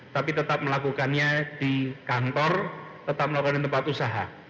tapi tetap melakukannya di kantor tetap melakukan tempat usaha